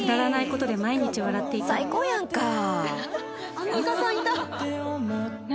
アンミカさんいた。